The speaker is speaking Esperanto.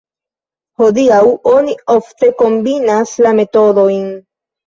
Hodiaŭ oni ofte kombinas la metodojn.